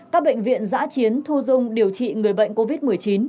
các bệnh viện giã chiến thu dung điều trị người bệnh covid một mươi chín